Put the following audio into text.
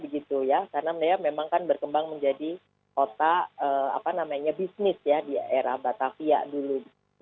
karena beliau memang kan berkembang menjadi kota bisnis ya di era batavia dulu